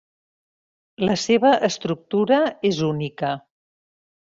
La seva estructura és única.